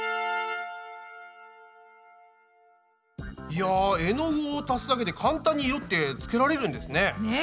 いや絵の具を足すだけで簡単に色ってつけられるんですね。ね。